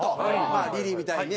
リリーみたいにね